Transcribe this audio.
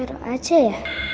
tidak ada apa apa saja ya